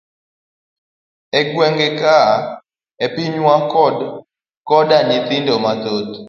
E gwengwa ka e pinywa wan koda nyithindo mathoth.